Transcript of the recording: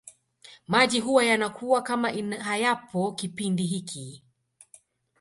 Maji huwa yanakuwa kama hayapo kipindi hiki